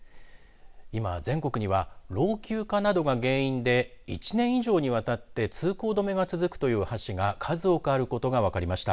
今、全国には老朽化などが原因で１年以上にわたって通行止めが続くという橋が数多くあることが分かりました。